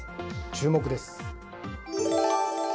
注目です。